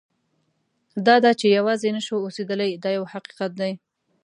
دا ده چې یوازې نه شو اوسېدلی دا یو حقیقت دی.